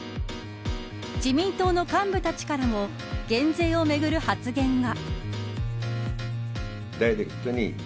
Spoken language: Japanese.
自民党の幹部たちからも減税をめぐる発言が。